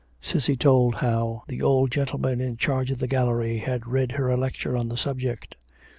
Cissy told how the old gentleman in charge of the gallery had read her a lecture on the subject.